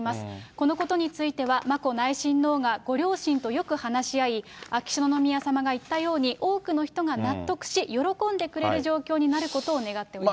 このことについては、眞子内親王がご両親とよく話し合い、秋篠宮さまが言ったように、多くの人が納得し、喜んでくれる状況になることを願っております。